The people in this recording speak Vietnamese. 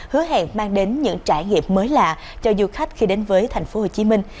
hứa hẹn mang đến những trải nghiệm mới lạ cho du khách khi đến với thành phố hồ chí minh